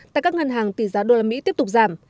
tại các ngân hàng tỷ giá đô la mỹ tiếp tục giảm